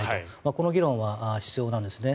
この議論は必要なんですね。